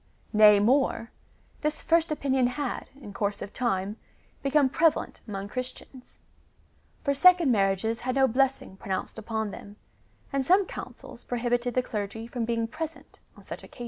Nay more, this first opinion had, in course of time, become prevalent among Christians ; for second marriages had no blessing pronounced upon them, and some Councils prohibit ed the clergy from being present on such occasions.